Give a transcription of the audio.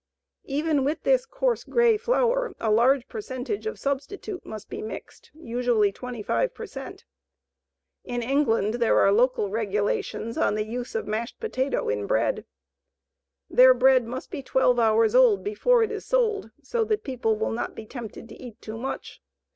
Even with this coarse, gray flour a large percentage of substitute must be mixed, usually 25 per cent. In England there are local regulations on the use of mashed potato in bread. Their bread must be twelve hours old before it is sold, so that people will not be tempted to eat too much.